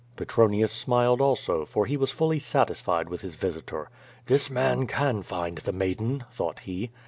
Petronius smiled also, for he was fully satisfied with his visitor. "This man can find the maiden," thought he.